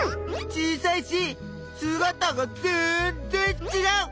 小さいしすがたが全然ちがう！